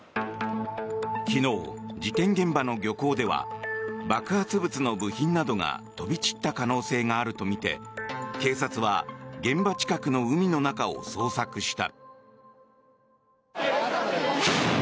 昨日、事件現場の漁港では爆発物の部品などが飛び散った可能性があるとみて警察は現場近くの海の中を捜索した。